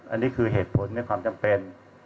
อันนี้คือเหตุผลในความจำเป็น